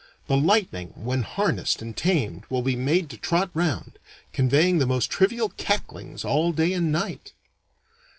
The lightning when harnessed and tamed will be made to trot round, conveying the most trivial cacklings all day and night.